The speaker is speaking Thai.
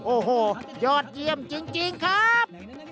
โอ้โหยอดเยี่ยมจริงครับ